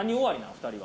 ２人は。